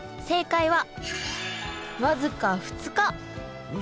正解は僅か２日。